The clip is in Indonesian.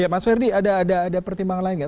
mas ferdi ada pertimbangan lain nggak